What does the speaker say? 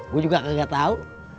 gue juga gak tau